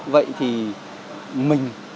vậy thì mình